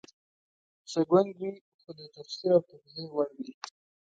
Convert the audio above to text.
څه ګونګ وي خو د تفسیر او توضیح وړ وي